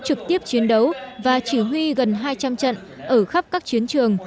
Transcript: trực tiếp chiến đấu ông cầm súng trực tiếp chiến đấu và chỉ huy gần hai trăm linh trận ở khắp các chiến trường